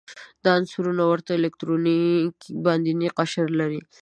دا عنصرونه ورته الکتروني باندینی قشر لري.